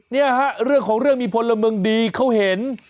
เนี่ยฮะเรื่องของเรื่องมีพลเมืองดีเขาเห็น